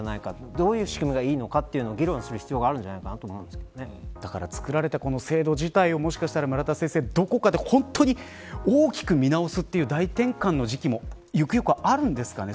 どういう仕組みがいいのか議論する必要があるんじゃないかだから、作られた制度自体をもしかしたら、どこかで本当に大きく見直すという大転換の時期もゆくゆくはあるんですかね。